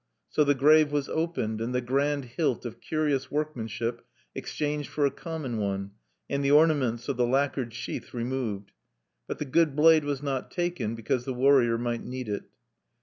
So the grave was opened, and the grand hilt of curious workmanship exchanged for a common one, and the ornaments of the lacquered sheath removed. But the good blade was not taken, because the warrior might need it.